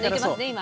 今。